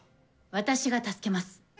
私が助けます。